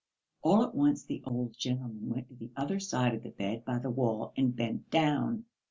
All at once the old gentleman went to the other side of the bed by the wall and bent down.